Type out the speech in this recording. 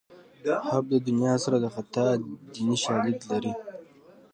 حب د دنیا سر د خطا دیني شالید لري